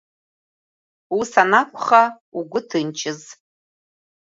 Ус анакәха угәы ҭынчыз.